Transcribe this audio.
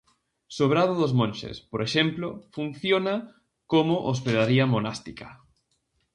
Sobrado dos Monxes, por exemplo, funciona como hospedaría monástica.